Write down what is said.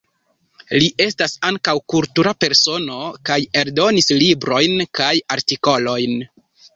Li estas ankaŭ kultura persono kaj eldonis librojn kaj artikolojn.